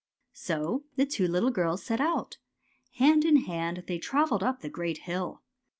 " So the two little girls set out. Hand in hand they travelled up the great hill.